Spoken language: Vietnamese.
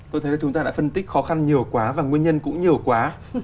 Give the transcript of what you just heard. tôi thấy là chúng ta đã phân tích khó khăn nhiều quá và nguyên nhân cũng nhiều quá